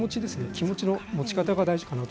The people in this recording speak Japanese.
気持ちの持ち方が大事かなと。